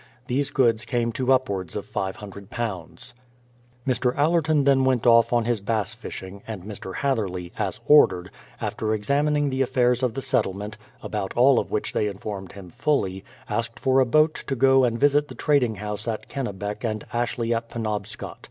These goods came to up wards of £500. Mr. Allerton then went off on his bass fishing; and Mr. Hatherley, as ordered, after examining the aft'airs of the settlement, about all of which they informed him fully, asked for a boat to go and visit the trading house at Ken nebec and Aslaley at Penobscot.